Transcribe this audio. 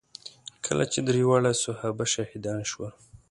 کله چې درې واړه صحابه شهیدان شول.